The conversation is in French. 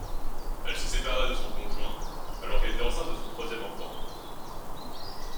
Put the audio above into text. Elle s'est séparée de son conjoint alors qu'elle était enceinte de son troisième enfant.